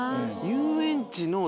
遊園地の。